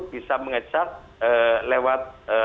bisa mengecat lewat